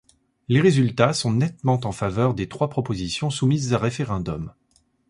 Les résultats sont nettement en faveur des trois propositions soumises à référendum.